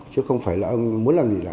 chứ không phải là ông muốn làm gì là